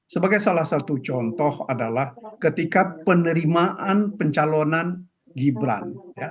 sebagai salah satu contoh adalah ketika penerimaan pencalonan gibran